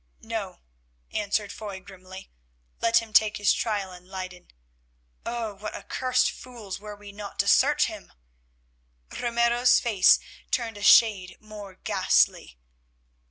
"No," answered Foy grimly, "let him take his trial in Leyden. Oh! what accursed fools were we not to search him!" Ramiro's face turned a shade more ghastly.